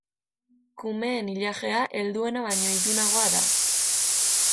Kumeen ilajea helduena baino ilunagoa da.